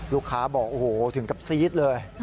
ลูกค้าบอกโอ้โหถึงกับซี๊ดเลย